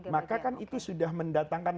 maka kan itu sudah mendatangkan